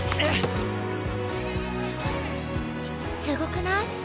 すごくない？